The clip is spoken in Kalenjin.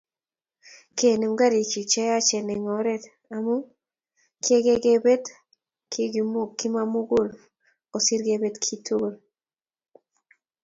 kenem karishek chayachen eng oret amu keygei kebeet kiy komamugul kosiir kebet kiy tugul